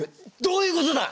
どういうことだ！